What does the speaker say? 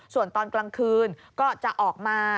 ส่วนตอนกลางคืนก็จะออกมา